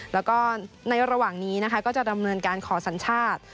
แล้วก็ในระหว่างนี้นะคะก็จะดำเนินการขอสัญชาติ